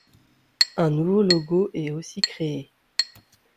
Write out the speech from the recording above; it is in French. Un nouveau logo est aussi créé.